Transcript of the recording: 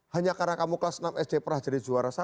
hanya karena kamu kelas enam sd pernah jadi juara satu